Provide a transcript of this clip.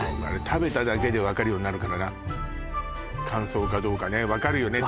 食べただけで分かるようになるからな乾燥かどうかね分かるよね？